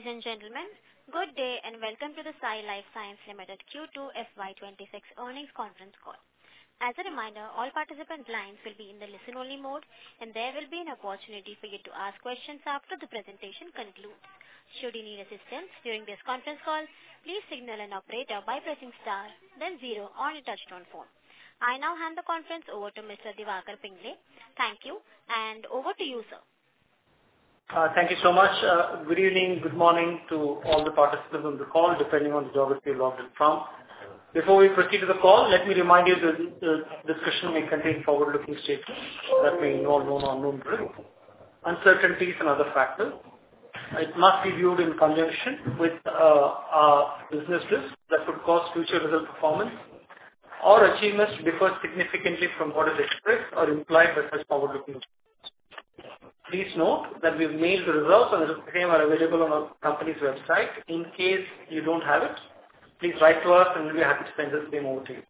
Ladies and gentlemen, good day and welcome to the Sai Life Sciences Limited Q2 FY26 Earnings Conference call. As a reminder, all participants' lines will be in the listen-only mode, and there will be an opportunity for you to ask questions after the presentation concludes. Should you need assistance during this conference call, please signal an operator by pressing star, then zero, or a touch-tone phone. I now hand the conference over to Mr. Diwakar Pingle. Thank you, and over to you, sir. Thank you so much. Good evening, good morning to all the participants on the call, depending on the geography you're logged in from. Before we proceed to the call, let me remind you that this session may contain forward-looking statements that may involve known or unknown-related uncertainties and other factors. It must be viewed in conjunction with our business risks that could cause future results, performance or achievements to differ significantly from what is expressed or implied by such forward-looking statements. Please note that we've mailed the results, and the same are available on our company's website. In case you don't have it, please write to us, and we'll be happy to send the same over to you.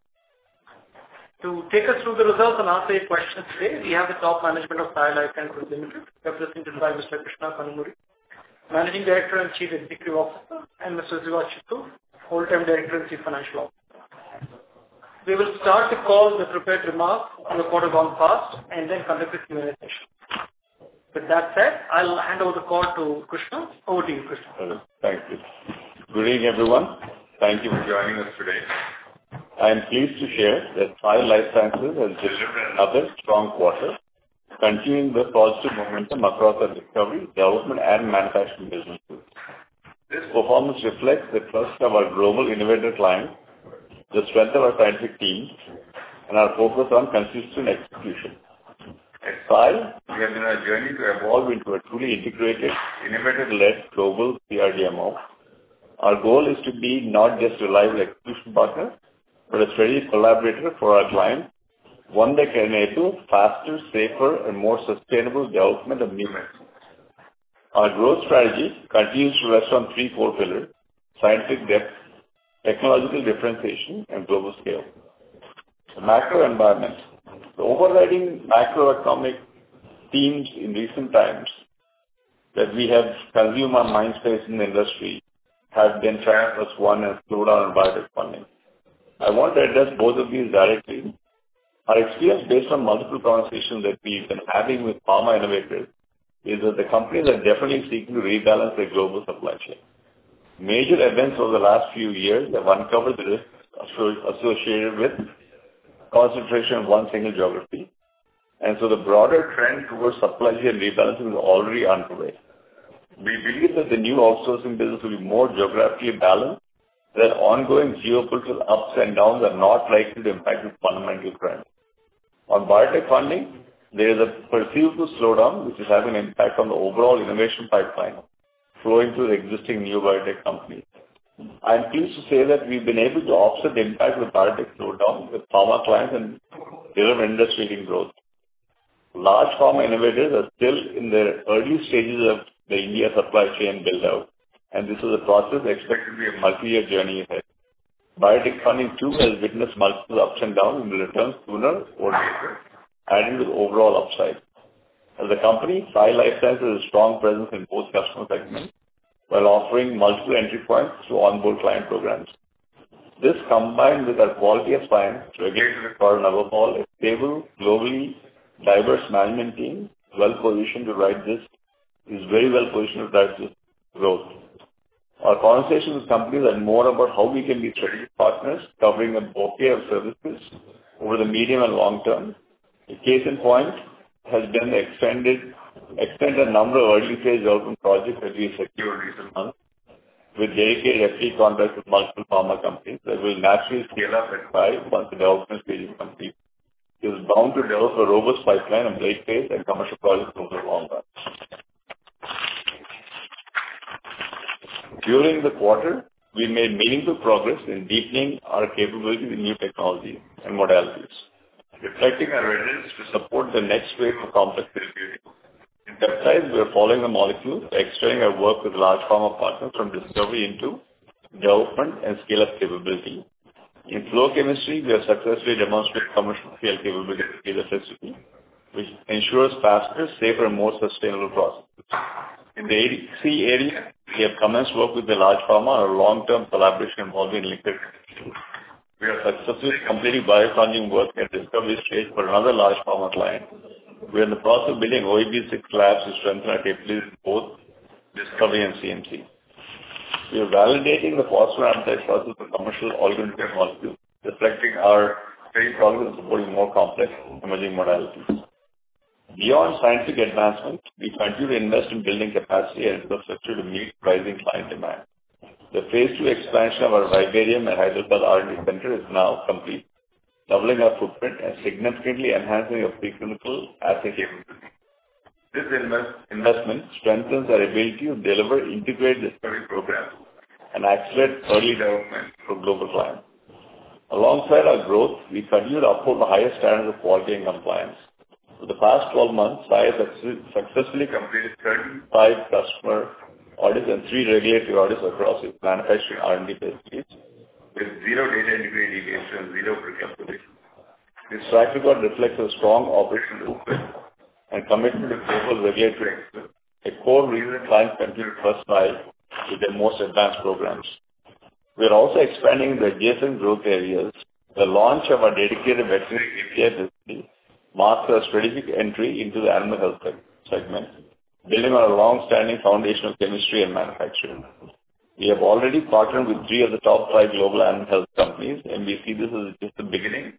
To take us through the results and answer your questions today, we have the top management of Sai Life Sciences Limited represented by Mr. Krishna Kanumuri, Managing Director and Chief Executive Officer, and Mr. Siva Chittor, Whole Time Director and Chief Financial Officer. We will start the call with a prepared remark on the quarter one past and then conduct a Q&A session. With that said, I'll hand over the call to Krishna. Over to you, Krishna. Thank you. Good evening, everyone. Thank you for joining us today. I am pleased to share that Sai Life Sciences has delivered another strong quarter, continuing the positive momentum across our discovery, development, and manufacturing businesses. This performance reflects the trust of our global innovator clients, the strength of our scientific teams, and our focus on consistent execution. At Sai, we have been on a journey to evolve into a truly integrated, innovator-led global CRDMO. Our goal is to be not just a reliable execution partner but a strategic collaborator for our clients, one that can enable faster, safer, and more sustainable development of new medicines. Our growth strategy continues to rest on three core pillars: scientific depth, technological differentiation, and global scale. The macro environment, the overriding macroeconomic themes in recent times that we have consumed our mind space in the industry have been two. One is slowdown and biotech funding. I want to address both of these directly. Our experience based on multiple conversations that we've been having with pharma innovators is that the companies are definitely seeking to rebalance their global supply chain. Major events over the last few years have uncovered the risks associated with concentration in one single geography, and so the broader trend towards supply chain rebalancing is already underway. We believe that the new outsourcing business will be more geographically balanced, that ongoing geopolitical ups and downs are not likely to impact the fundamental trends. On biotech funding, there is a perceivable slowdown which is having an impact on the overall innovation pipeline flowing through the existing new biotech companies. I'm pleased to say that we've been able to offset the impact of the biotech slowdown with pharma clients and their industry-leading growth. Large pharma innovators are still in the early stages of the India supply chain build-out, and this is a process expected to be a multi-year journey ahead. Biotech funding, too, has witnessed multiple ups and downs and will return sooner or later, adding to the overall upside. As a company, Sai Life Sciences has a strong presence in both customer segments while offering multiple entry points through onboard client programs. This, combined with our quality of clients, regulatory requirements overall, a stable, globally diverse management team well-positioned to drive this growth. Our conversations with companies are more about how we can be strategic partners, covering a bouquet of services over the medium and long term. The case in point has been the extended number of early-stage development projects that we have secured recent months with dedicated FTE contracts with multiple pharma companies that will naturally scale up at Sai once the development stage is complete. It is bound to develop a robust pipeline of late-phase and commercial projects over the long run. During the quarter, we made meaningful progress in deepening our capability with new technologies and modalities, reflecting our readiness to support the next wave of complex therapeutics. In peptides, we are following the molecule, extending our work with large pharma partners from discovery into development and scale-up capability. In flow chemistry, we have successfully demonstrated commercial-scale capability with seed necessity, which ensures faster, safer, and more sustainable processes. In the ADC area, we have commenced work with a large pharma on a long-term collaboration involving liquid chemistry. We are successfully completing bioconjugate work at discovery stage for another large pharma client. We are in the process of building OEB 6 labs to strengthen our capabilities in both discovery and CMC. We are validating the phosphoramidite-type process for commercial organic molecules, reflecting our strengths in supporting more complex emerging modalities. Beyond scientific advancement, we continue to invest in building capacity and infrastructure to meet rising client demand. The phase two expansion of our Vivarium at Hyderabad R&D Center is now complete, doubling our footprint and significantly enhancing our preclinical assay capability. This investment strengthens our ability to deliver integrated discovery programs and accelerate early development for global clients. Alongside our growth, we continue to uphold the highest standards of quality and compliance. For the past 12 months, Sai has successfully completed 35 customer audits and three regulatory audits across its manufacturing R&D facilities with zero data integrity and zero Form-483. This track record reflects a strong operational footprint and commitment to global regulatory excellence, a core reason clients continue to trust Sai with their most advanced programs. We are also expanding the adjacent growth areas. The launch of our dedicated veterinary API facility marks our strategic entry into the animal health segment, building on our long-standing foundation of chemistry and manufacturing. We have already partnered with three of the top five global animal health companies, and we see this as just the beginning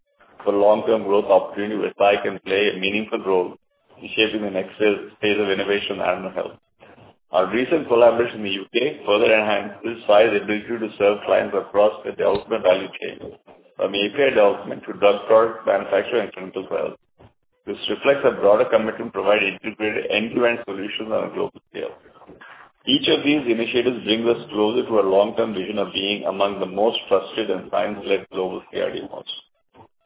for long-term growth opportunities where Sai can play a meaningful role in shaping the next phase of innovation in animal health. Our recent collaboration in the U.K. further enhances Sai's ability to serve clients across the development value chain, from API development to drug product manufacturing and clinical trials. This reflects our broader commitment to provide integrated end-to-end solutions on a global scale. Each of these initiatives brings us closer to our long-term vision of being among the most trusted and science-led global CRDMOs.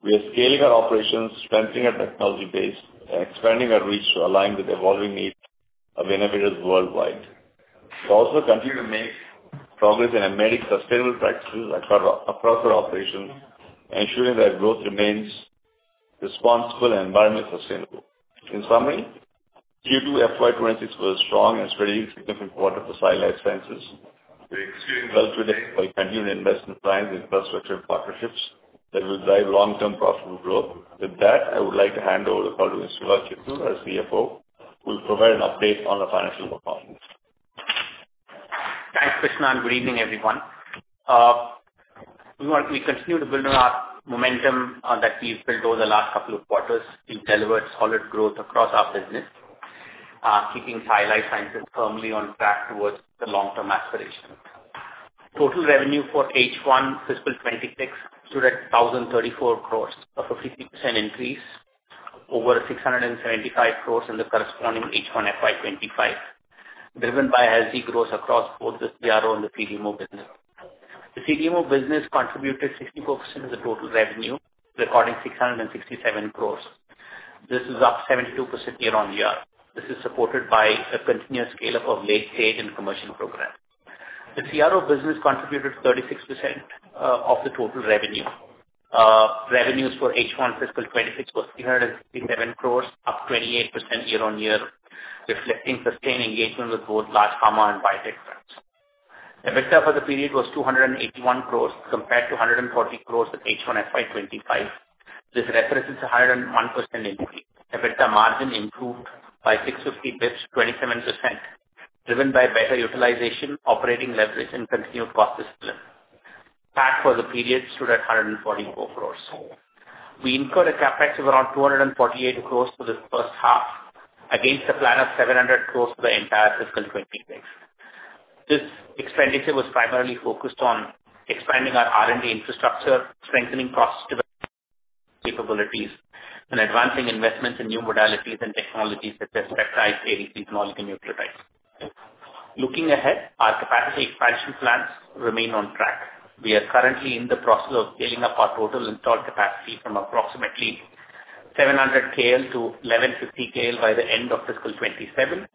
We are scaling our operations, strengthening our technology base, and expanding our reach to align with the evolving needs of innovators worldwide. We also continue to make progress in embedding sustainable practices across our operations, ensuring that growth remains responsible and environmentally sustainable. In summary, Q2 FY26 was a strong and strategic significant quarter for Sai Life Sciences. We're exceeding well today while continuing to invest in science and infrastructure partnerships that will drive long-term profitable growth. With that, I would like to hand over the call to Mr. Siva Chittor, our CFO, who will provide an update on our financial performance. Thanks, Krishna, and good evening, everyone. We continue to build on our momentum that we've built over the last couple of quarters to deliver solid growth across our business, keeping Sai Life Sciences firmly on track towards the long-term aspirations. Total revenue for H1 fiscal 26 stood at 1,034, a 53% increase over 675 in the corresponding H1 FY25, driven by healthy growth across both the CRO and the CDMO business. The CDMO business contributed 64% of the total revenue, recording 667. This is up 72% year-on-year. This is supported by a continuous scale-up of late-stage and commercial programs. The CRO business contributed 36% of the total revenue. Revenues for H1 fiscal 26 were 367, up 28% year-on-year, reflecting sustained engagement with both large pharma and biotech firms. EBITDA for the period was 281, compared to 140 with H1 FY25. This represents a 101% increase. EBITDA margin improved by 650 basis points, 27%, driven by better utilization, operating leverage, and continued cost discipline. PAT for the period stood at 144. We incurred a CapEx of around 248 for the first half, against a plan of 700 for the entire fiscal 2026. This expenditure was primarily focused on expanding our R&D infrastructure, strengthening process development capabilities, and advancing investments in new modalities and technologies such as peptides, ADCs, and oligonucleotides. Looking ahead, our capacity expansion plans remain on track. We are currently in the process of scaling up our total installed capacity from approximately 700 KL-1,150 KL by the end of fiscal 2027,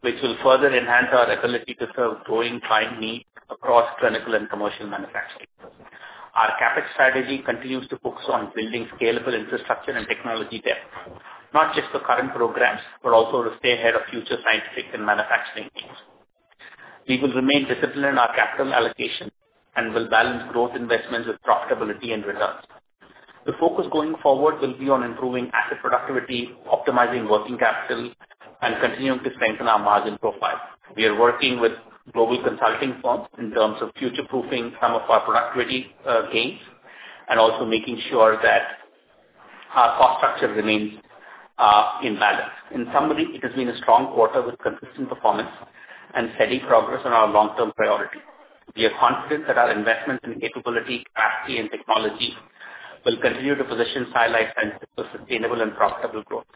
which will further enhance our ability to serve growing client needs across clinical and commercial manufacturing. Our CapEx strategy continues to focus on building scalable infrastructure and technology depth, not just for current programs, but also to stay ahead of future scientific and manufacturing needs. We will remain disciplined in our capital allocation and will balance growth investments with profitability and returns. The focus going forward will be on improving asset productivity, optimizing working capital, and continuing to strengthen our margin profile. We are working with global consulting firms in terms of future-proofing some of our productivity gains and also making sure that our cost structure remains in balance. In summary, it has been a strong quarter with consistent performance and steady progress on our long-term priorities. We are confident that our investments in capability, capacity, and technology will continue to position Sai Life Sciences for sustainable and profitable growth.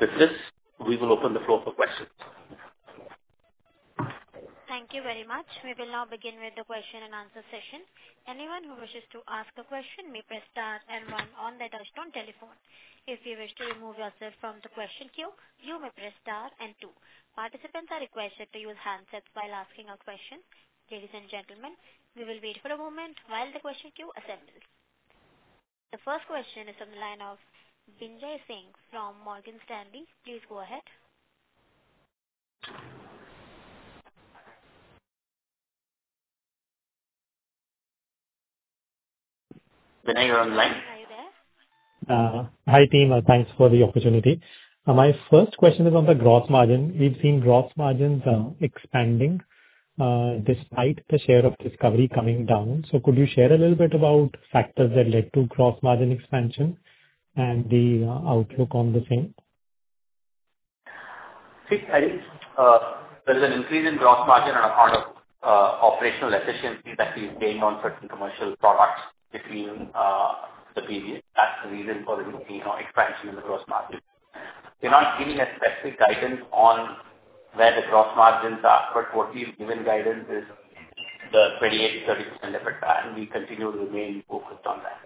With this, we will open the floor for questions. Thank you very much. We will now begin with the question and answer session. Anyone who wishes to ask a question may press star and one on the touch-tone telephone. If you wish to remove yourself from the question queue, you may press star and two. Participants are requested to use handsets while asking a question. Ladies and gentlemen, we will wait for a moment while the question queue assembles. The first question is from the line of Binay Singh from Morgan Stanley. Please go ahead. Binay, you're on the line. Are you there? Hi, team. Thanks for the opportunity. My first question is on the gross margin. We've seen gross margins expanding despite the share of discovery coming down. So could you share a little bit about factors that led to gross margin expansion and the outlook on the same? I think there's an increase in gross margin on account of operational efficiencies that we've gained on certain commercial products between the period. That's the reason for the expansion in the gross margin. We're not giving a specific guidance on where the gross margins are, but what we've given guidance is the 28%-30% EBITDA, and we continue to remain focused on that.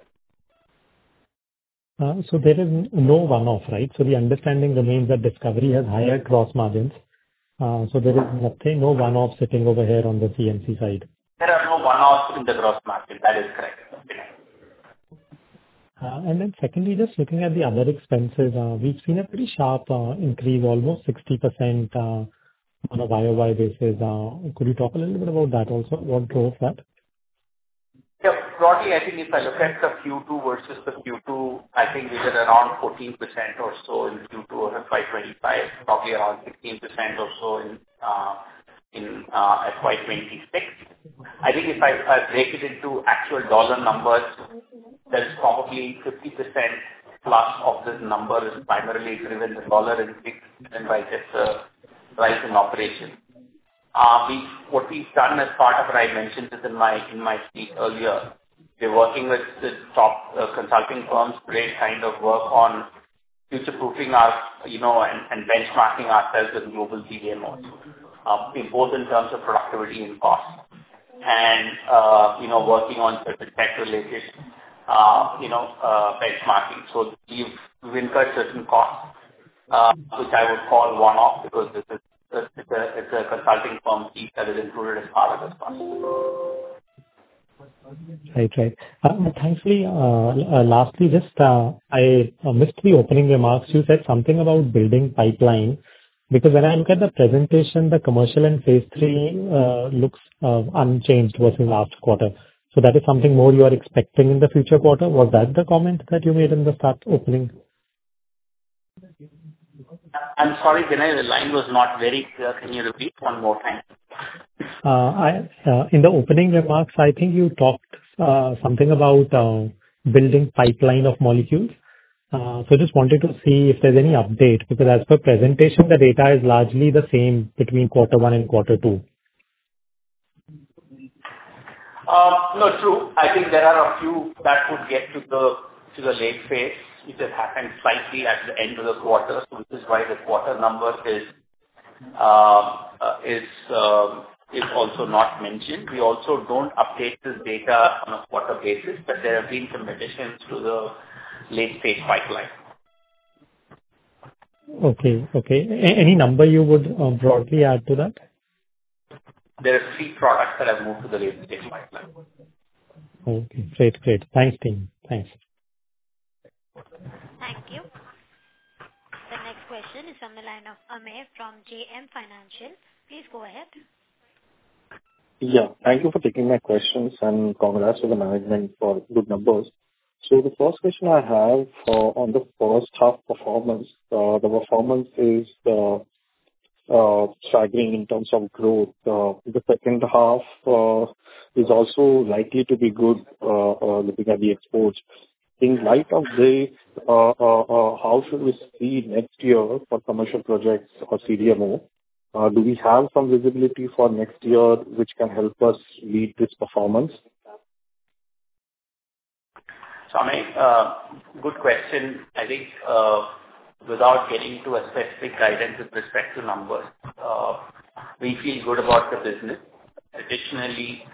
So there is no one-off, right? So the understanding remains that discovery has higher gross margins. So there is nothing, no one-off sitting over here on the CMC side? There are no one-offs in the gross margin. That is correct. Then, secondly, just looking at the other expenses, we've seen a pretty sharp increase, almost 60% on a YOY basis. Could you talk a little bit about that also? What drove that? Yeah. Broadly, I think if I look at the Q2 versus the Q2, I think we did around 14% or so in Q2 of FY25, probably around 16% or so in FY26. I think if I break it into actual dollar numbers, there's probably 50% plus of this number is primarily driven by the dollar and 6% by just the price and operation. What we've done as part of what I mentioned in my speech earlier, we're working with the top consulting firms to create kind of work on future-proofing and benchmarking ourselves with global CDMOs, both in terms of productivity and cost, and working on certain tech-related benchmarking. So we've incurred certain costs, which I would call one-off because it's a consulting firm fee that is included as part of this cost. Right, right. Thankfully, lastly, just I missed the opening remarks. You said something about building pipeline. Because when I look at the presentation, the commercial and phase three looks unchanged versus last quarter. So that is something more you are expecting in the future quarter. Was that the comment that you made in the start opening? I'm sorry, Binay, the line was not very clear. Can you repeat one more time? In the opening remarks, I think you talked something about building pipeline of molecules. So I just wanted to see if there's any update because as per presentation, the data is largely the same between quarter one and quarter two. No, true. I think there are a few that would get to the late phase. It just happened slightly at the end of the quarter, which is why the quarter number is also not mentioned. We also don't update the data on a quarter basis, but there have been some additions to the late-phase pipeline. Okay, okay. Any number you would broadly add to that? There are three products that have moved to the late-phase pipeline. Okay. Great, great. Thanks, team. Thanks. Thank you. The next question is from the line of Amir from JM Financial. Please go ahead. Yeah. Thank you for taking my questions, and congrats to the management for good numbers. So the first question I have on the first half performance, the performance is struggling in terms of growth. The second half is also likely to be good, looking at the exports. In light of this, how should we see next year for commercial projects or CDMO? Do we have some visibility for next year which can help us lead this performance? So Amir, good question. I think without getting into a specific guidance with respect to numbers, we feel good about the business. Additionally,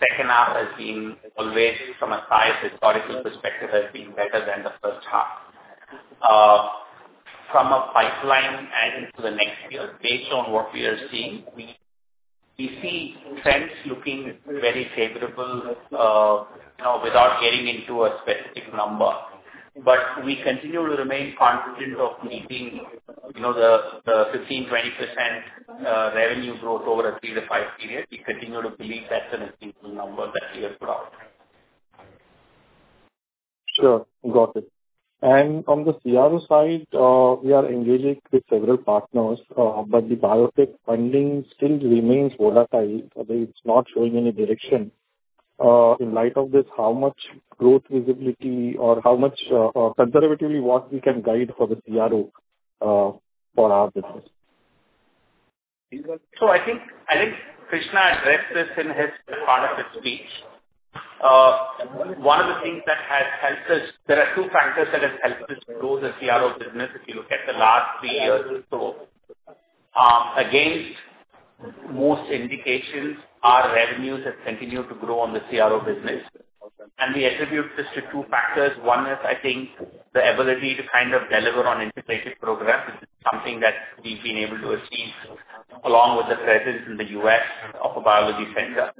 second half has been always, from a Sai historical perspective, has been better than the first half. From a pipeline and into the next year, based on what we are seeing, we see trends looking very favorable without getting into a specific number. But we continue to remain confident of meeting the 15%-20% revenue growth over a three to five period. We continue to believe that's an achievable number that we have put out. Sure. Got it. And on the CRO side, we are engaging with several partners, but the biotech funding still remains volatile. It's not showing any direction. In light of this, how much growth visibility or how much conservatively what we can guide for the CRO for our business? So I think Krishna addressed this in his part of his speech. One of the things that has helped us, there are two factors that have helped us grow the CRO business. If you look at the last three years or so, against most indications, our revenues have continued to grow on the CRO business. And we attribute this to two factors. One is, I think, the ability to kind of deliver on integrated programs, which is something that we've been able to achieve along with the presence in the U.S. of a biology center.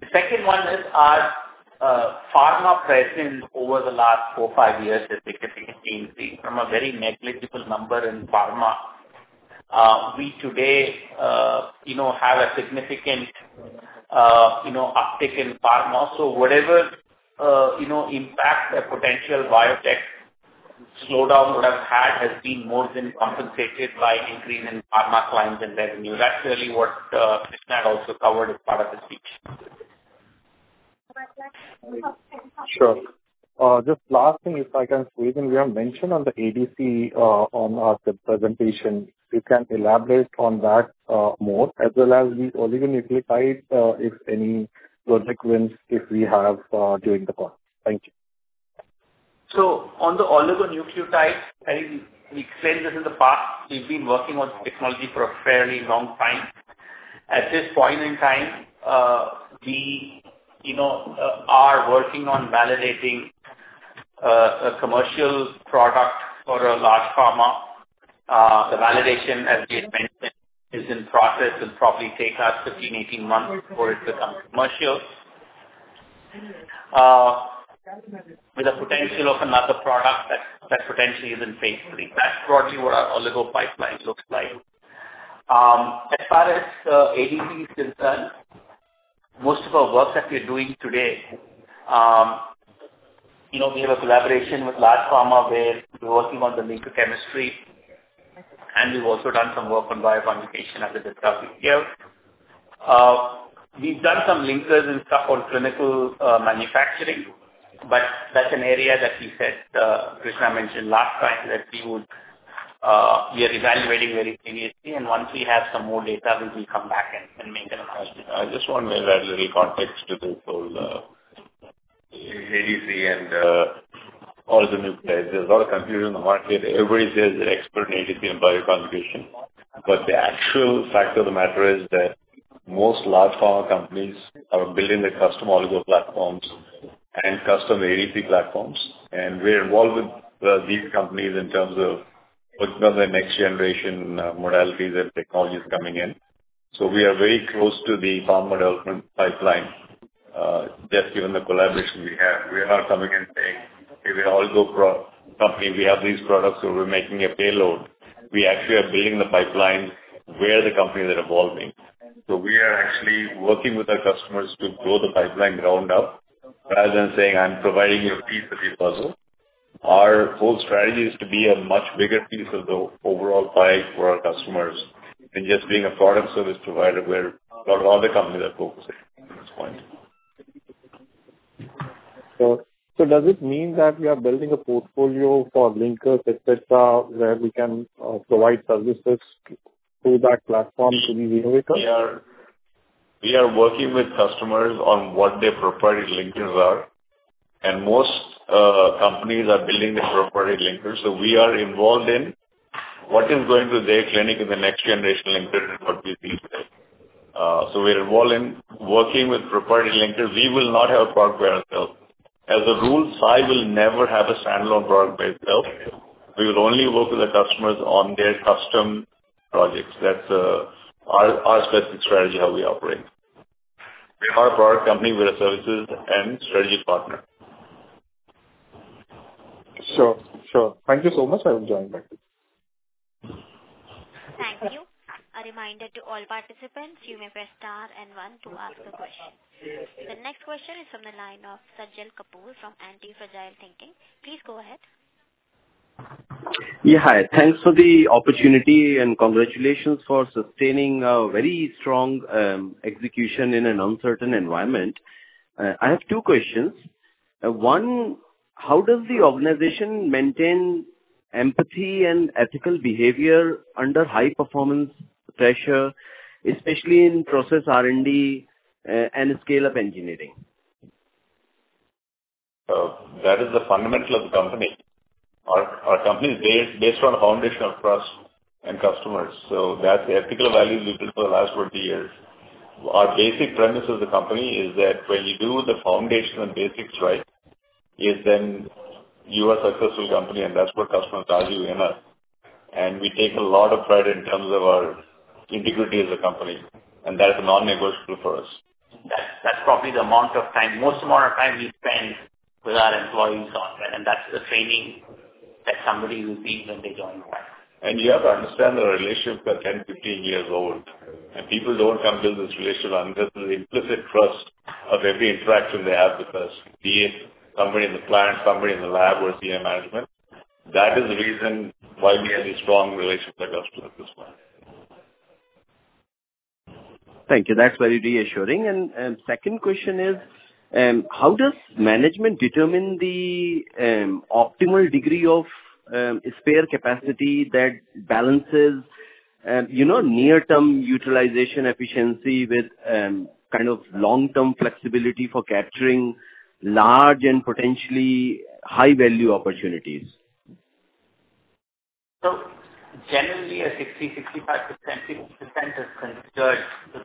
The second one is our pharma presence over the last four, five years has significantly increased from a very negligible number in pharma. We today have a significant uptick in pharma. So whatever impact that potential biotech slowdown would have had has been more than compensated by increase in pharma clients and revenue. That's really what Krishna had also covered as part of his speech. Sure. Just last thing, if I can squeeze in. We have mentioned the ADC in the presentation. If you can elaborate on that more as well as the oligonucleotide, if any conversations we have during the quarter. Thank you. So on the oligonucleotide, we explained this in the past. We've been working on technology for a fairly long time. At this point in time, we are working on validating a commercial product for a large pharma. The validation, as we had mentioned, is in process. It will probably take us 15-18 months before it becomes commercial with a potential of another product that potentially is in phase three. That's broadly what our oligo pipeline looks like. As far as ADC is concerned, most of our work that we're doing today, we have a collaboration with large pharma where we're working on the linker chemistry, and we've also done some work on bioconjugation at the discovery here. We've done some linkers and stuff on clinical manufacturing, but that's an area that Krishna mentioned last time that we are evaluating very seriously. Once we have some more data, we will come back and make an announcement. Just one minute. I have a little context to this whole ADC and oligonucleotides. There's a lot of confusion in the market. Everybody says they're expert in ADC and bioconjugation, but the actual fact of the matter is that most large pharma companies are building their custom oligo platforms and custom ADC platforms. And we're involved with these companies in terms of working on the next generation modalities and technologies coming in. So we are very close to the pharma development pipeline. Just given the collaboration we have, we are not coming and saying, "Hey, we're an oligo company. We have these products, so we're making a payload." We actually are building the pipeline where the companies are evolving. So we are actually working with our customers to grow the pipeline ground up rather than saying, "I'm providing you a piece of the puzzle." Our whole strategy is to be a much bigger piece of the overall pipe for our customers than just being a product service provider where a lot of other companies are focusing at this point. So does it mean that we are building a portfolio for linkers, etc., where we can provide services to that platform to be renewable? We are working with customers on what their proprietary linkers are, and most companies are building their proprietary linkers. So we are involved in what is going to their clinic in the next generation linkers and what we see today. So we're involved in working with proprietary linkers. We will not have a product by ourselves. As a rule, Sai will never have a standalone product by itself. We will only work with the customers on their custom projects. That's our specific strategy of how we operate. We are a product company with a services and strategic partner. Sure, sure. Thank you so much for joining back. Thank you. A reminder to all participants, you may press star and one to ask a question. The next question is from the line of Sajal Kapoor from Anti-Fragile Thinking. Please go ahead. Yeah, hi. Thanks for the opportunity and congratulations for sustaining a very strong execution in an uncertain environment. I have two questions. One, how does the organization maintain empathy and ethical behavior under high performance pressure, especially in process R&D and the scale of engineering? That is the fundamental of the company. Our company is based on a foundation of trust and customers. So that's the ethical values we've built for the last 20 years. Our basic premise as a company is that when you do the foundation and basics right, then you are a successful company, and that's what customers value in us. And we take a lot of pride in terms of our integrity as a company, and that's non-negotiable for us. That's probably the amount of time, most amount of time we spend with our employees on that. And that's the training that somebody will be when they join the company. You have to understand the relationships are 10, 15 years old. People don't come build this relationship unless there's implicit trust of every interaction they have with us, be it somebody in the plant, somebody in the lab, or senior management. That is the reason why we have a strong relationship with our customers at this point. Thank you. That's very reassuring. Second question is, how does management determine the optimal degree of spare capacity that balances near-term utilization efficiency with kind of long-term flexibility for capturing large and potentially high-value opportunities? So generally, a 60%-65% is considered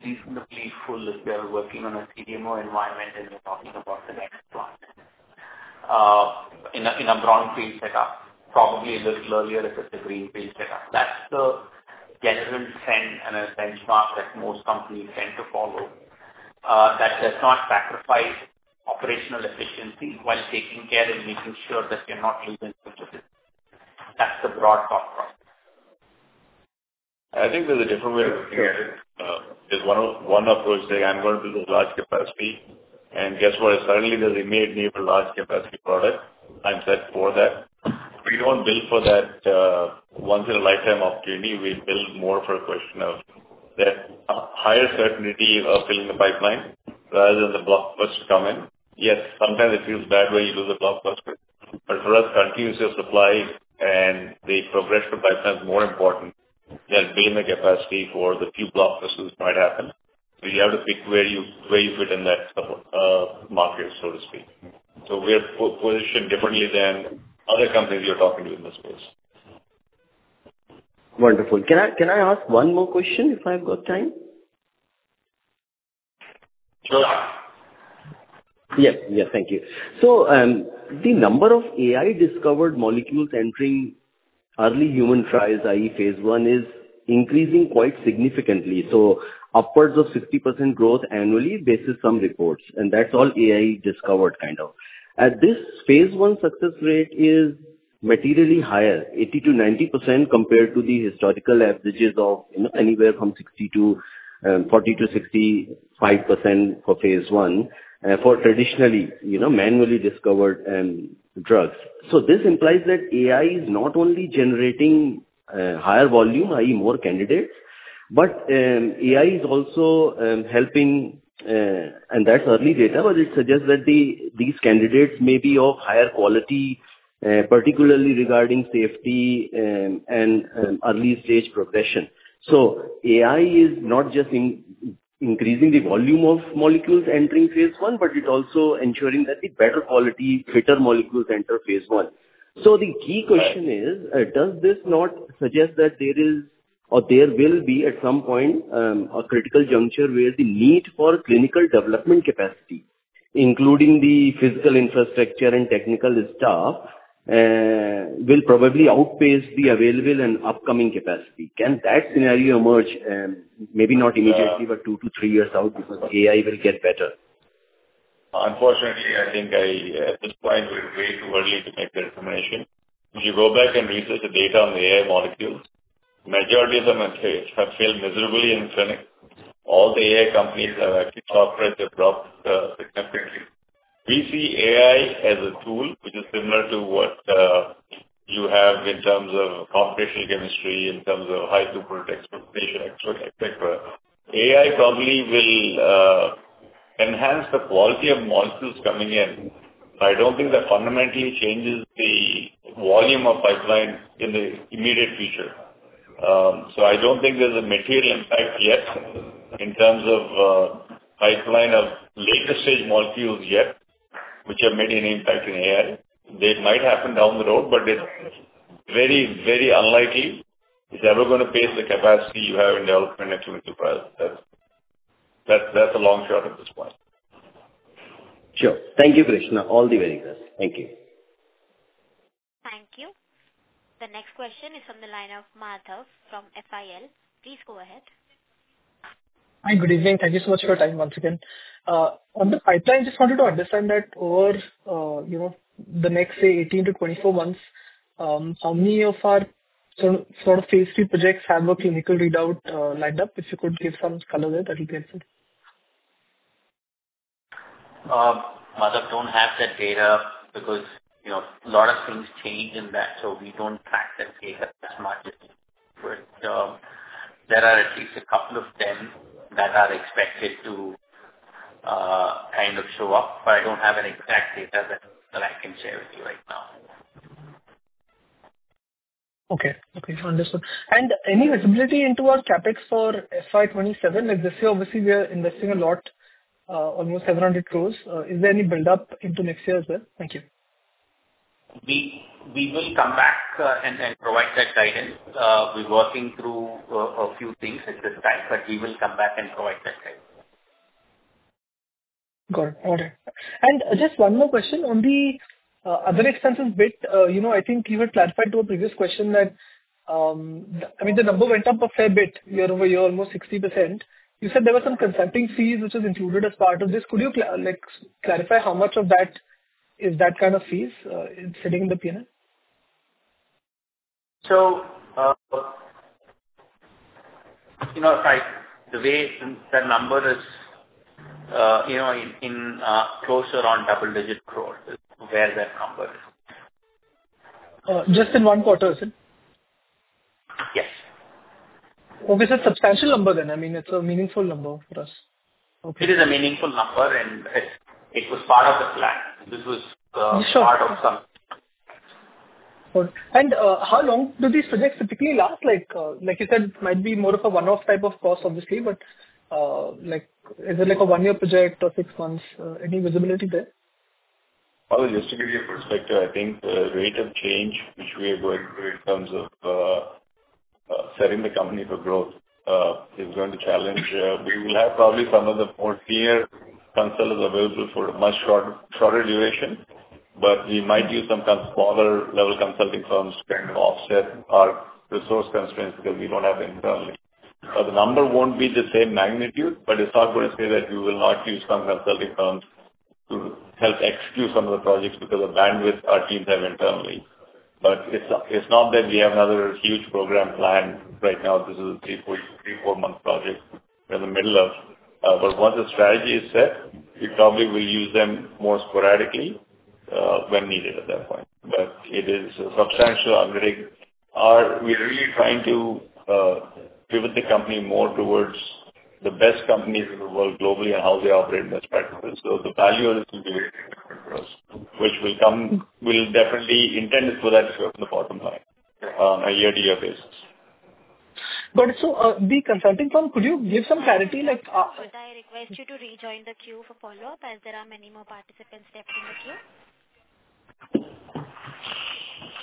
reasonably full if you're working on a CDMO environment and you're talking about the next one in a brownfield setup, probably a little earlier if it's a greenfield setup. That's the general trend and a benchmark that most companies tend to follow. That does not sacrifice operational efficiency while taking care and making sure that you're not losing such a bit. That's the broad cost problem. I think there's a different way to look at it. There's one approach saying, "I'm going to build a large capacity," and guess what? Suddenly, there's a made-new large capacity product. I'm set for that. We don't build for that once-in-a-lifetime opportunity. We build more for a question of that higher certainty of filling the pipeline rather than the blockbuster coming. Yes, sometimes it feels bad when you lose a blockbuster, but for us, continuous supply and the progression of pipeline is more important than building the capacity for the few blockbusters that might happen. So you have to pick where you fit in that market, so to speak. So we're positioned differently than other companies you're talking to in this space. Wonderful. Can I ask one more question if I've got time? Sure. Yes, yes. Thank you. So the number of AI-discovered molecules entering early human trials, i.e., phase one, is increasing quite significantly. So upwards of 60% growth annually, based on some reports. And that's all AI-discovered kind of. At this phase one success rate is materially higher, 80%-90% compared to the historical averages of anywhere from 40%-65% for phase one for traditionally manually discovered drugs. So this implies that AI is not only generating higher volume, i.e., more candidates, but AI is also helping, and that's early data, but it suggests that these candidates may be of higher quality, particularly regarding safety and early-stage progression. So AI is not just increasing the volume of molecules entering phase one, but it's also ensuring that the better quality, fitter molecules enter phase one. The key question is, does this not suggest that there is or there will be at some point a critical juncture where the need for clinical development capacity, including the physical infrastructure and technical staff, will probably outpace the available and upcoming capacity? Can that scenario emerge, maybe not immediately, but two to three years out because AI will get better? Unfortunately, I think at this point, we're way too early to make that determination. If you go back and research the data on the AI molecules, the majority of them have failed miserably in clinics. All the AI companies have actually suffered their drop significantly. We see AI as a tool, which is similar to what you have in terms of computational chemistry, in terms of high-throughput experimentation, etc. AI probably will enhance the quality of molecules coming in. I don't think that fundamentally changes the volume of pipeline in the immediate future. So I don't think there's a material impact yet in terms of pipeline of later-stage molecules yet, which have made an impact in AI. They might happen down the road, but it's very, very unlikely it's ever going to pace the capacity you have in development and clinical trials. That's a long shot at this point. Sure. Thank you, Krishna. All the very best. Thank you. Thank you. The next question is from the line of Madhav from FIL. Please go ahead. Hi, good evening. Thank you so much for your time once again. On the pipeline, I just wanted to understand that over the next, say, 18-24 months, how many of our sort of phase three projects have a clinical readout lined up? If you could give some color there, that would be excellent. Madhav, I don't have that data because a lot of things change in that, so we don't track that data as much. But there are at least a couple of them that are expected to kind of show up, but I don't have any exact data that I can share with you right now. Okay. Okay. Wonderful. And any visibility into our CapEx for FY27? This year, obviously, we are investing a lot, almost 700 crores. Is there any build-up into next year as well? Thank you. We will come back and provide that guidance. We're working through a few things at this time, but we will come back and provide that guidance. Got it. Got it. And just one more question on the other expenses bit. I think you had clarified to a previous question that, I mean, the number went up a fair bit year over year, almost 60%. You said there were some consulting fees which were included as part of this. Could you clarify how much of that is that kind of fees sitting in the P&L? So the way the number is, it's closer to double-digit crores is where that number is. Just in one quarter, is it? Yes. Okay. So it's a substantial number then. I mean, it's a meaningful number for us. Okay. It is a meaningful number, and it was part of the plan. This was part of something. How long do these projects typically last? Like you said, it might be more of a one-off type of cost, obviously, but is it a one-year project or six months? Any visibility there? Just to give you a perspective, I think the rate of change which we are going through in terms of setting the company for growth is going to challenge. We will have probably some of the more senior consultants available for a much shorter duration, but we might use some smaller-level consulting firms to kind of offset our resource constraints because we don't have internally. So the number won't be the same magnitude, but it's not going to say that we will not use some consulting firms to help execute some of the projects because of bandwidth our teams have internally. But it's not that we have another huge program planned right now. This is a three, four-month project we're in the middle of. But once the strategy is set, we probably will use them more sporadically when needed at that point. But it is substantial undertaking. We're really trying to pivot the company more towards the best companies in the world globally and how they operate in those practices. So the value on it will be very different for us, which will come. We'll definitely intend to pull that into the bottom line on a year-to-year basis. Got it. So the consulting firm, could you give some clarity? I would request you to rejoin the queue for follow-up as there are many more participants left in the queue.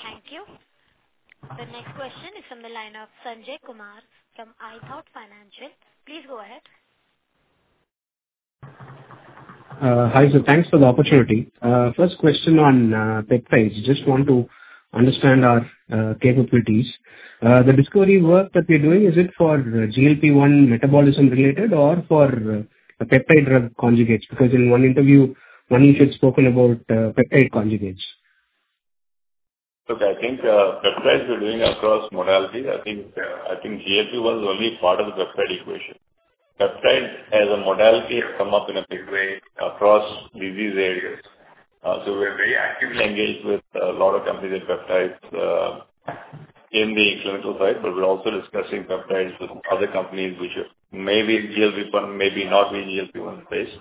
Thank you. The next question is from the line of Sanjay Kumar from ithought Financial. Please go ahead. Hi. So thanks for the opportunity. First question on peptides. Just want to understand our capabilities. The discovery work that we're doing, is it for GLP-1 metabolism-related or for peptide drug conjugates? Because in one interview, Manish had spoken about peptide conjugates. Look, I think peptides are doing across modalities. I think GLP-1 is only part of the peptide equation. Peptide as a modality has come up in a big way across disease areas. So we're very actively engaged with a lot of companies in peptides in the clinical side, but we're also discussing peptides with other companies which may be in GLP-1, maybe not be in GLP-1 space.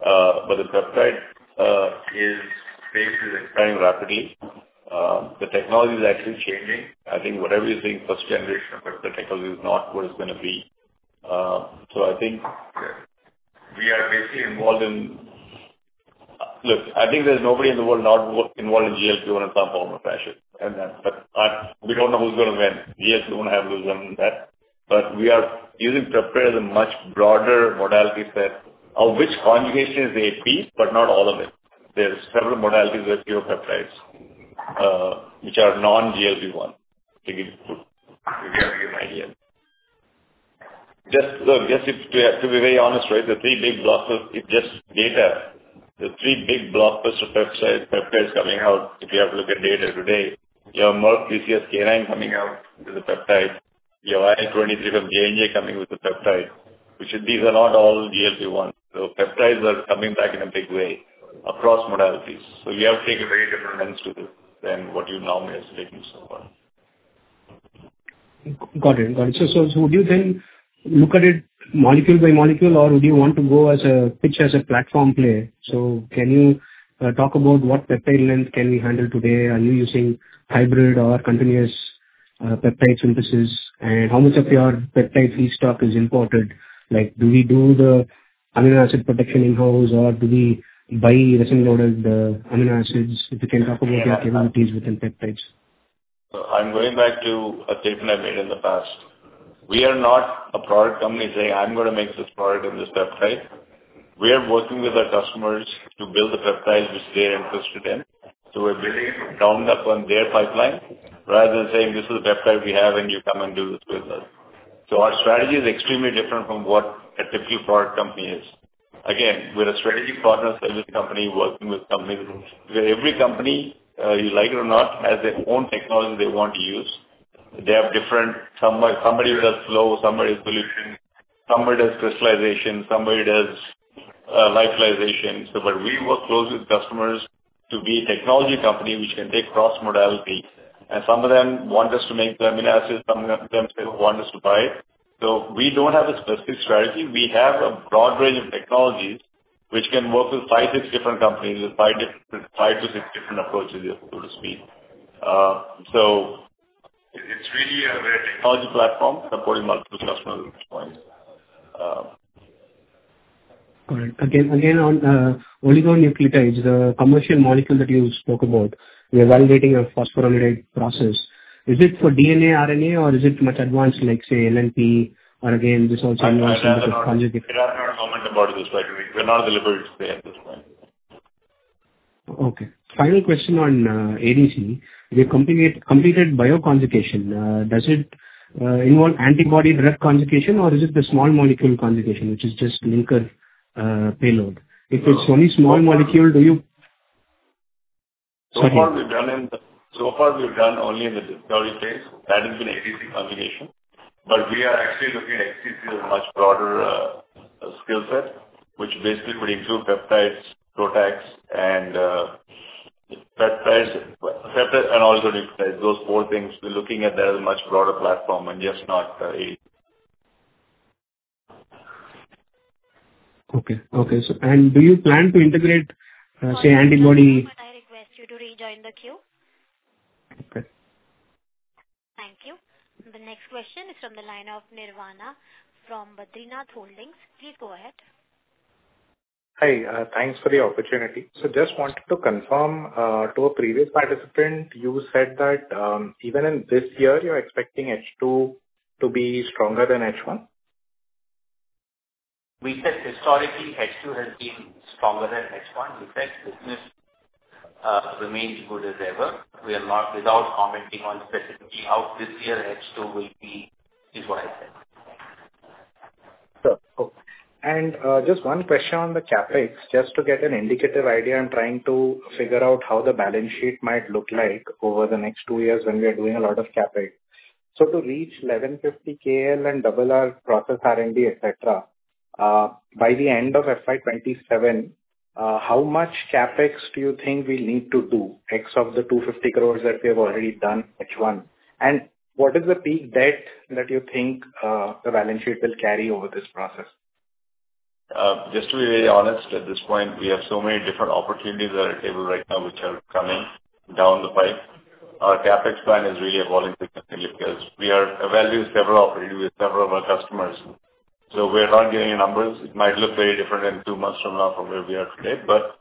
But the peptide is basically expanding rapidly. The technology is actually changing. I think whatever you're seeing, first-generation of the technology is not what it's going to be. So I think we are basically involved. Look, I think there's nobody in the world not involved in GLP-1 in some form or fashion. We don't know who's going to win. GLP-1 will have a loser in that. But we are using peptide as a much broader modality set of which conjugation is a part, but not all of it. There are several modalities that pure peptides which are non-GLP-1, to give you an idea. Just to be very honest, right, the three big blockbusters, it's just data. The three big blockbuster peptides coming out, if you have to look at data today, you have Merck PCSK9 coming out with the peptide. You have IL-23 from J&J coming with the peptide, which these are not all GLP-1. So peptides are coming back in a big way across modalities. So we have to take a very different lens to this than what you normally are taking so far. Got it. Got it. So would you then look at it molecule by molecule, or would you want to go as a pitch as a platform player? So can you talk about what peptide length can we handle today? Are you using hybrid or continuous peptide synthesis? And how much of your peptide feedstock is imported? Do we do the amino acid production in-house, or do we buy resin-loaded amino acids? If you can talk about your capabilities within peptides. I'm going back to a statement I made in the past. We are not a product company saying, "I'm going to make this product in this peptide." We are working with our customers to build the peptides which they're interested in. So we're building it based upon their pipeline rather than saying, "This is the peptide we have, and you come and do this with us." So our strategy is extremely different from what a typical product company is. Again, we're a strategic partner service company working with companies where every company, you like it or not, has their own technology they want to use. They have different somebody does flow, somebody does solution, somebody does crystallization, somebody does lyophilization. But we work closely with customers to be a technology company which can take cross-modality. And some of them want us to make the amino acids, some of them want us to buy it. So we don't have a specific strategy. We have a broad range of technologies which can work with five, six different companies with five to six different approaches, so to speak. So it's really a technology platform supporting multiple customers at this point. Got it. Again, on oligonucleotides, the commercial molecule that you spoke about, we're evaluating a phosphorylated process. Is it for DNA, RNA, or is it much advanced, like, say, LNP, or again, this also involves a bit of conjugation? We're not going to comment about it this way. We're not at the liberty to say at this point. Okay. Final question on ADC. We have completed bioconjugation. Does it involve antibody-drug conjugation, or is it the small molecule conjugation, which is just linker payload? If it's only small molecule, do you, sorry. So far, we've done only in the discovery phase. That has been ADC conjugation. But we are actually looking at XDC with a much broader skill set, which basically would include peptides, PROTACs, and oligonucleotides. Those four things, we're looking at that as a much broader platform and just not ADC. Okay. And do you plan to integrate, say, antibody? I would request you to rejoin the queue. Okay. Thank you. The next question is from the line of Nirvana from Badrinath Holdings. Please go ahead. Hi. Thanks for the opportunity. So just wanted to confirm to a previous participant, you said that even in this year, you're expecting H2 to be stronger than H1? We said historically H2 has been stronger than H1. We said business remains good as ever. We are not without commenting on specifically how this year H2 will be is what I said. Sure. And just one question on the CapEx. Just to get an indicative idea, I'm trying to figure out how the balance sheet might look like over the next two years when we are doing a lot of CapEx. So to reach 1,150 KL and double our process R&D, etc., by the end of FY27, how much CapEx do you think we need to do in excess of the 250 crores that we have already done in H1? And what is the peak debt that you think the balance sheet will carry over this process? Just to be very honest, at this point, we have so many different opportunities that are at table right now which are coming down the pipe. Our CapEx plan is really evolving significantly because we are evaluating several opportunities with several of our customers. So we're not giving you numbers. It might look very different in two months from now from where we are today, but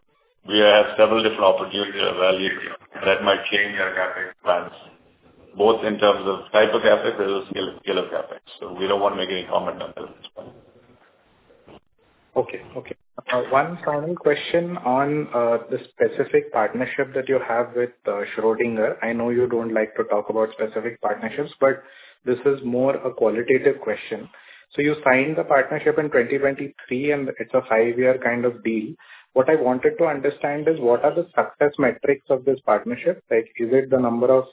we have several different opportunities to evaluate that might change our CapEx plans, both in terms of type of CapEx as well as scale of CapEx. So we don't want to make any comment on that at this point. Okay. One final question on the specific partnership that you have with Schrodinger. I know you don't like to talk about specific partnerships, but this is more a qualitative question. So you signed the partnership in 2023, and it's a five-year kind of deal. What I wanted to understand is what are the success metrics of this partnership? Is it the number of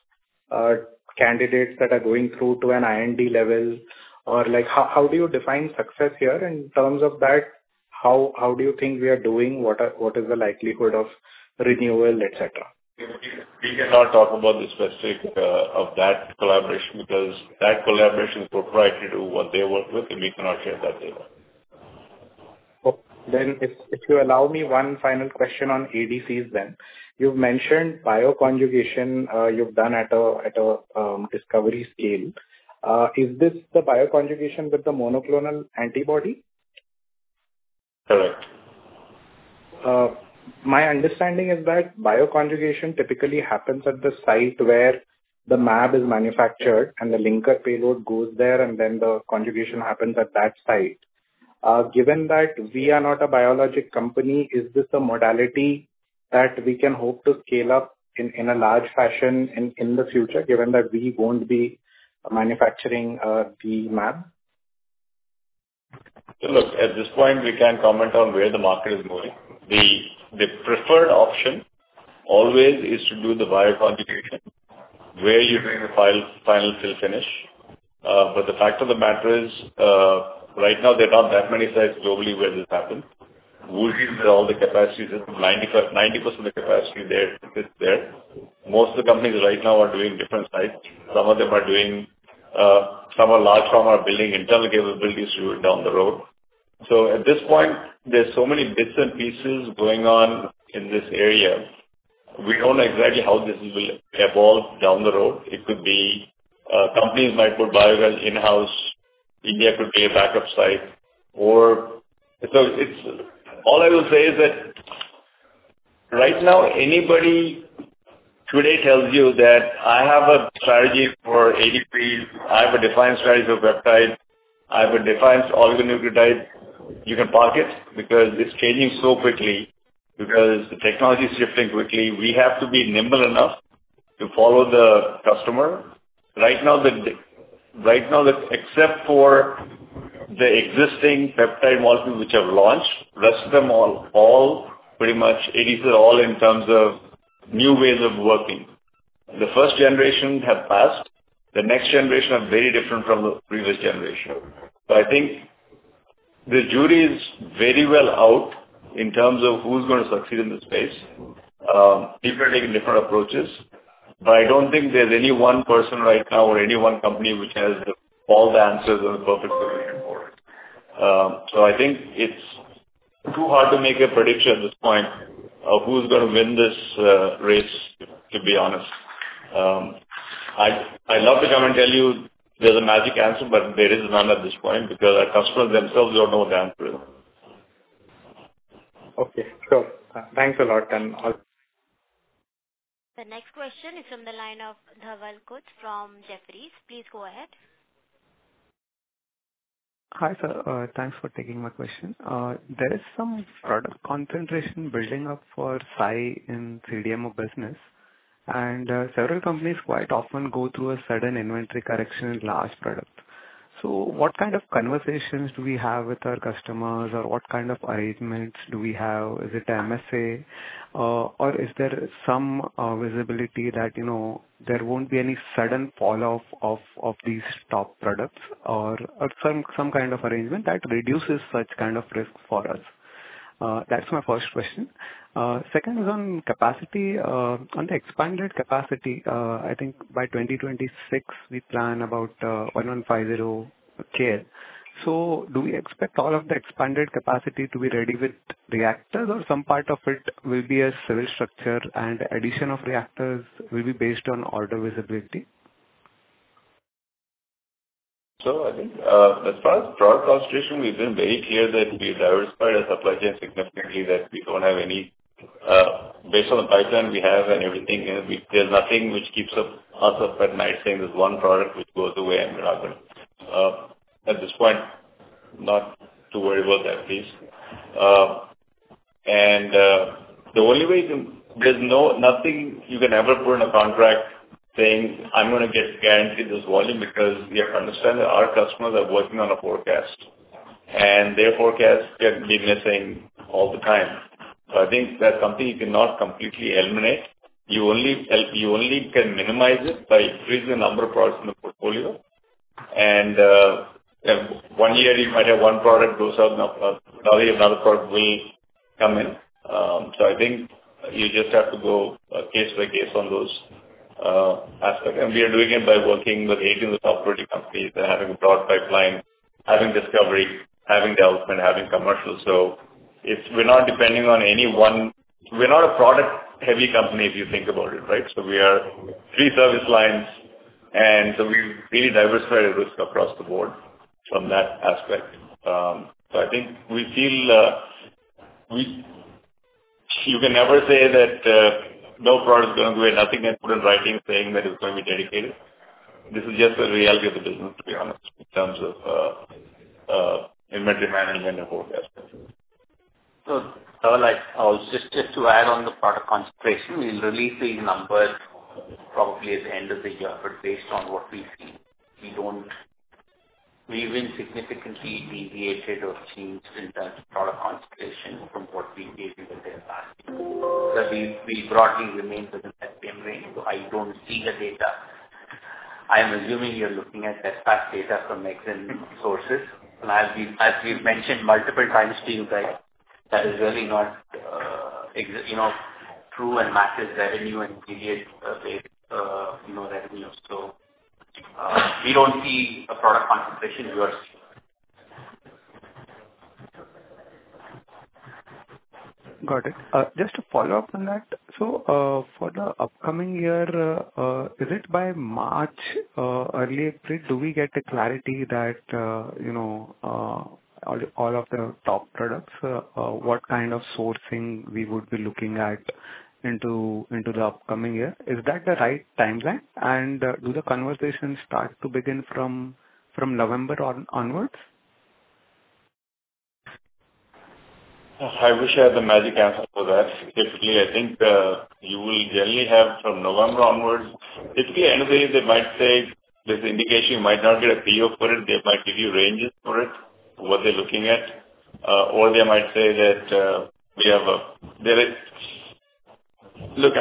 candidates that are going through to an IND level, or how do you define success here? In terms of that, how do you think we are doing? What is the likelihood of renewal, etc.? We cannot talk about the specifics of that collaboration because that collaboration is proprietary to what they work with, and we cannot share that data. Then, if you allow me one final question on ADCs, then. You've mentioned bioconjugation you've done at a discovery scale. Is this the bioconjugation with the monoclonal antibody? Correct. My understanding is that bioconjugation typically happens at the site where the MAB is manufactured, and the linker payload goes there, and then the conjugation happens at that site. Given that we are not a biologic company, is this a modality that we can hope to scale up in a large fashion in the future, given that we won't be manufacturing the MAB? Look, at this point, we can't comment on where the market is moving. The preferred option always is to do the bioconjugation where you're doing the final fill/finish. But the fact of the matter is, right now, there are not that many sites globally where this happens. WuXi's got all the capacities. 90% of the capacity is there. Most of the companies right now are doing different sites. Some of them are doing some of large pharma are building internal capabilities down the road. So at this point, there are so many bits and pieces going on in this area. We don't know exactly how this will evolve down the road. It could be companies might put biocells in-house. India could be a backup site. So all I will say is that right now, anybody today tells you that, "I have a strategy for ADC. I have a defined strategy for peptides. I have a defined oligonucleotides. You can park it because it's changing so quickly because the technology is shifting quickly. We have to be nimble enough to follow the customer. Right now, except for the existing peptide molecules which have launched, the rest of them are all pretty much ADCs are all in terms of new ways of working. The first generation have passed. The next generation are very different from the previous generation. So I think the jury is very well out in terms of who's going to succeed in this space. People are taking different approaches, but I don't think there's any one person right now or any one company which has all the answers and the perfect solution for it. I think it's too hard to make a prediction at this point of who's going to win this race, to be honest. I'd love to come and tell you there's a magic answer, but there is none at this point because our customers themselves don't know the answer. Okay. So thanks a lot, and all. The next question is from the line of Dhawal Khut from Jefferies. Please go ahead. Hi sir. Thanks for taking my question. There is some product concentration building up for Sai in CDMO business, and several companies quite often go through a sudden inventory correction in large products. So what kind of conversations do we have with our customers, or what kind of arrangements do we have? Is it MSA, or is there some visibility that there won't be any sudden falloff of these top products, or some kind of arrangement that reduces such kind of risk for us? That's my first question. Second is on capacity. On the expanded capacity, I think by 2026, we plan about 1150 KL. So do we expect all of the expanded capacity to be ready with reactors, or some part of it will be a civil structure, and addition of reactors will be based on order visibility? I think as far as product concentration, we've been very clear that we've diversified our supply chain significantly, that we don't have any based on the pipeline we have and everything. There's nothing which keeps us up at night saying there's one product which goes away and we're not going to. At this point, not too worried about that piece. And the only way you can there's nothing you can ever put in a contract saying, "I'm going to guarantee this volume because we have to understand that our customers are working on a forecast, and their forecast can be missing all the time." So I think that's something you cannot completely eliminate. You only can minimize it by increasing the number of products in the portfolio. And one year, you might have one product go south, another product will come in. So I think you just have to go case by case on those aspects. And we are doing it by working with 18 of the top-rated companies and having a broad pipeline, having discovery, having development, having commercial. So we're not depending on any one; we're not a product-heavy company if you think about it, right? So we are three service lines, and so we've really diversified our risk across the board from that aspect. So I think you can never say that no product is going to go away. Nothing I put in writing saying that it's going to be dedicated. This is just the reality of the business, to be honest, in terms of inventory management and forecasting. Dhaval, just to add on the product concentration, we'll release these numbers probably at the end of the year, but based on what we see, we have not significantly deviated or changed in terms of product concentration from what we gave you the data of last year. But we broadly remain within that same range. I don't see the data. I'm assuming you're looking at that past data from external sources. And as we've mentioned multiple times to you guys, that is really not true and matches revenue and immediate revenue. We don't see a product concentration we are seeing. Got it. Just to follow up on that, so for the upcoming year, is it by March, early April, do we get the clarity that all of the top products, what kind of sourcing we would be looking at into the upcoming year? Is that the right timeline, and do the conversations start to begin from November onwards? I wish I had the magic answer for that. Typically, I think you will generally have from November onwards. Typically, anyway, they might say there's an indication you might not get a PO for it. They might give you ranges for it, what they're looking at. Or they might say that we have a, look,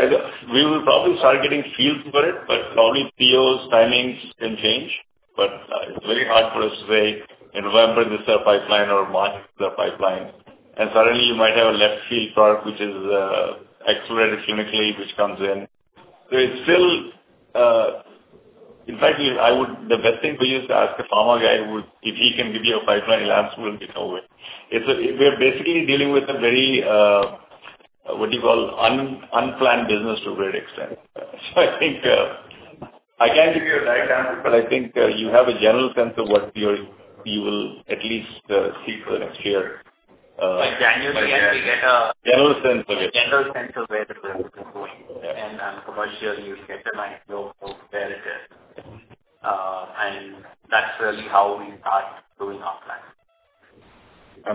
we will probably start getting fills for it, but probably POs timings can change. But it's very hard for us to say in November this is our pipeline or March this is our pipeline, and suddenly you might have a left-field product which is accelerated clinically, which comes in, so it's still, in fact, the best thing for you is to ask a pharma guy if he can give you a pipeline glimpse; we'll get nowhere. We're basically dealing with a very, what do you call it, unplanned business to a great extent. So I think I can't give you a direct answer, but I think you have a general sense of what you will at least see for the next year. Like January end, we get a. General sense of where the business is going. And on a commercial, you'll get an idea of where it is. And that's really how westart doing our plan.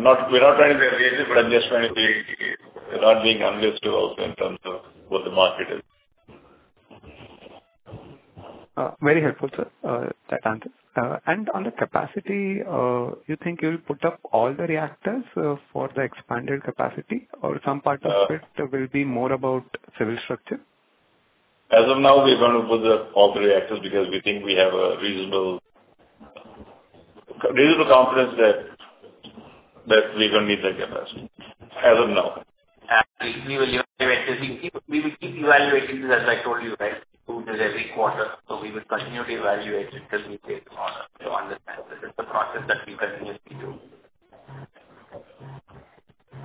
We're not trying to be invasive, but I'm just trying to be. We're not being unrealistic also in terms of what the market is. Very helpful, sir, that answer, and on the capacity, you think you'll put up all the reactors for the expanded capacity, or some part of it will be more about civil structure? As of now, we're going to put up all the reactors because we think we have a reasonable confidence that we're going to need that capacity as of now. We will evaluate it. We will keep evaluating this, as I told you, right? We do this every quarter. We will continue to evaluate it until we get to understand. This is the process that we continuously do.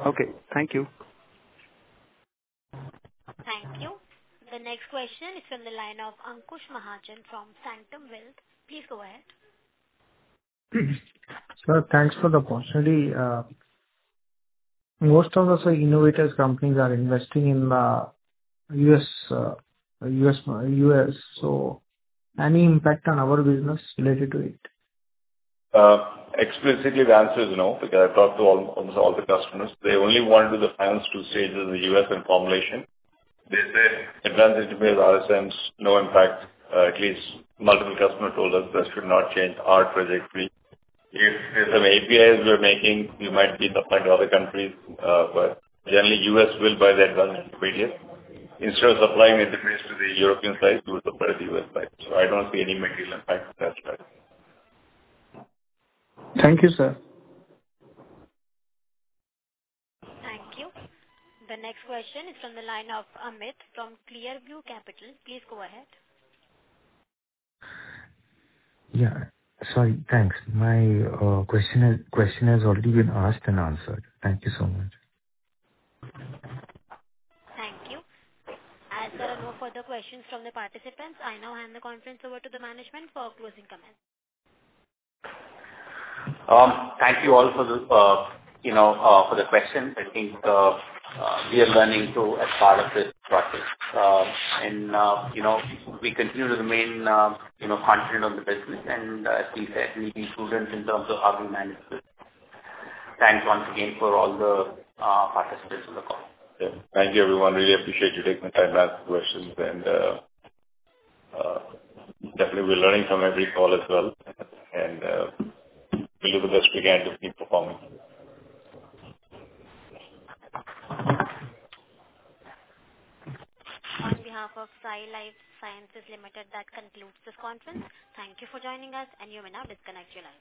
Okay. Thank you. Thank you. The next question is from the line of Ankush Mahajan from Sanctum Wealth. Please go ahead. Sir, thanks for the opportunity. Most of us are innovators. Companies are investing in the U.S. So any impact on our business related to it? Explicitly, the answer is no because I've talked to almost all the customers. They only want to do the final two stages in the U.S. and formulation. They say advanced integrated RSMs, no impact. At least multiple customers told us that should not change our trajectory. If there's some APIs we're making, we might be supplying to other countries. But generally, U.S. will buy the advanced integrated. Instead of supplying integrated to the European sites, we will supply the U.S. sites. So I don't see any material impact on that side. Thank you, sir. Thank you. The next question is from the line of Amit from Clearview Capital. Please go ahead. Yeah. Sorry. Thanks. My question has already been asked and answered. Thank you so much. Thank you. As there are no further questions from the participants, I now hand the conference over to the management for closing comments. Thank you all for the questions. I think we are learning too as part of this process, and we continue to remain confident on the business, and as we said, we need improvements in terms of how we manage this. Thanks once again for all the participants in the call. Thank you, everyone. Really appreciate you taking the time to ask the questions. And definitely, we're learning from every call as well. And we'll do the best we can to keep performing. On behalf of Sai Life Sciences Limited, that concludes this conference. Thank you for joining us, and you may now disconnect your line.